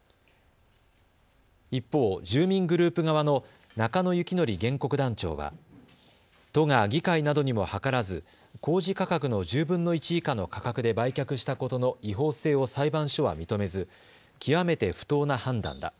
一方、住民グループ側の中野幸則原告団長は都が議会などにも諮らず公示価格の１０分の１以下の価格で売却したことの違法性を裁判所は認めず極めて不当な判断だ。